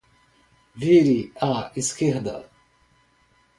Vire à esquerda.